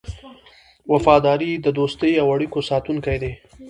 وفاداري د دوستۍ او اړیکو ساتونکی دی.